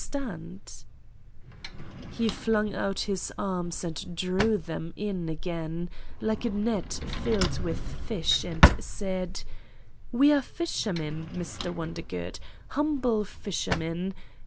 75 Satan's Diary He flung out his arms and drew them in again, like a net filled with fish and said: "We are fishermen, Mr. Wondergood, humble fishermen!